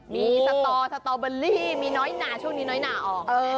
มีสตอสตอเบอรี่มีน้อยหนาช่วงนี้น้อยหนาออก